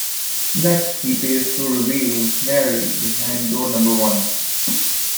Next he pays to reveal Marie behind door number one.